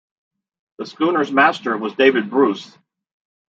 The schooner's master was David Bruce.